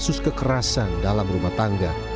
kasus kekerasan dalam rumah tangga